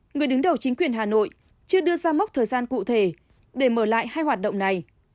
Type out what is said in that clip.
người đứng đầu chính quyền hà nội chưa đưa ra mốc thời gian cụ thể để mở lại hai hoạt động này